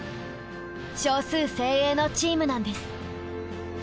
少数精鋭のチームなんです。